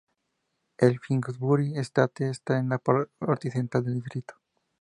El Finsbury Estate está en la parte occidental del distrito.